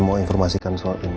mau informasikan soal ini